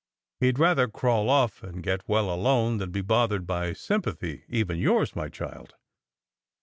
"He d rather crawl off and get well alone than be bothered by sympathy, even yours, my child.